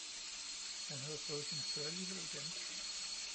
Han havde fået sin førlighed igen